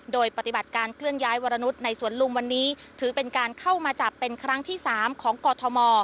โดยปฏิบัติการเคลื่อนย้ายวรนุษย์ในสวนลุมวันนี้ถือเป็นการเข้ามาจับเป็นครั้งที่๓ของกอทม